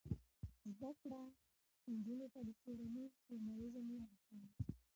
زده کړه نجونو ته د څیړنیز ژورنالیزم لارې ښيي.